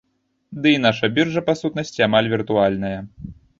Ды і наша біржа, па сутнасці, амаль віртуальная.